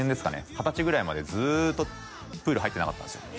二十歳ぐらいまでずっとプール入ってなかったんですよ